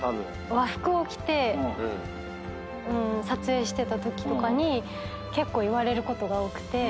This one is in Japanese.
和服を着て撮影してたときとかに結構言われることが多くて。